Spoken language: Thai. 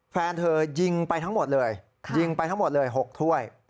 แฟนเธอยิงไปทั้งหมดเลย๖ถ้วย